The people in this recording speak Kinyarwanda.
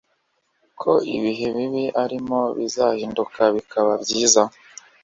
ko ibihe bibi arimo bizahinduka bikaba byiza